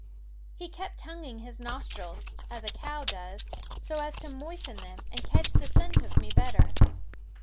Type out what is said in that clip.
He kept tonguing his nostrils, as a cow does, so as to moisten them and catch the scent of me better.